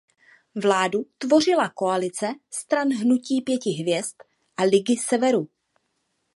Vládu tvořila koalice stran Hnutí pěti hvězd a Ligy Severu.